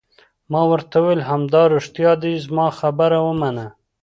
ما ورته وویل: همدارښتیا دي، زما خبره ومنه.